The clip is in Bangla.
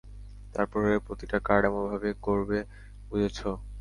তারপরের প্রতিটা কার্ড এভাবে করবে, বুঝেছ।